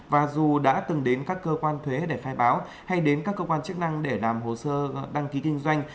và dù đã từng đến các cơ quan thuế để khai báo hay đến các cơ quan chức năng để làm hồ sơ đăng ký kinh doanh